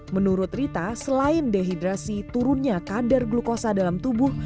menurut rita selain dehidrasi turunnya kadar glukosa dalam tubuh